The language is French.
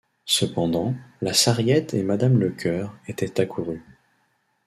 Cependant, la Sarriette et madame Lecœur étaient accourues.